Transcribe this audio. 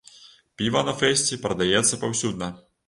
Піва на фэсце прадаецца паўсюдна.